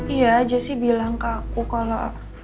iya jessy bilang ke aku kalo